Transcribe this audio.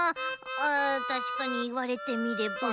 ああたしかにいわれてみれば。